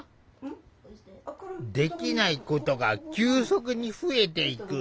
できないことが急速に増えていく。